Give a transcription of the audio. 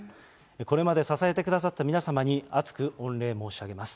これまで支えてくださった皆様に厚く御礼申し上げます。